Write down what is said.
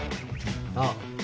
ああ。